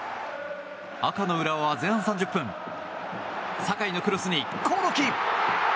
赤の浦和は前半３０分酒居のクロスに興梠！